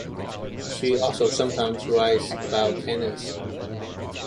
She also sometimes writes about tennis.